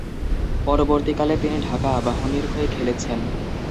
পরবর্তীকালে, তিনি ঢাকা আবাহনীর হয়ে খেলেছেন।